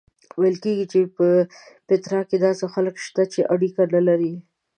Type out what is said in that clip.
ویل کېږي په پیترا کې داسې خلک شته چې اړیکه نه لري.